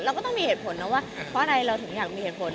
ก็ต้องมีเหตุผลนะว่าเพราะอะไรเราถึงอยากมีเหตุผล